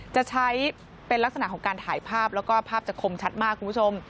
จะใช้เป็นลักษณะของการถ่ายภาพแล้วก็ภาพจะคมชัดมากคุณผู้ชม